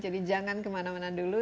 jangan kemana mana dulu